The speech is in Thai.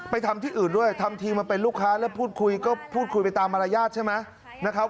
ทำที่อื่นด้วยทำทีมาเป็นลูกค้าแล้วพูดคุยก็พูดคุยไปตามมารยาทใช่ไหมนะครับ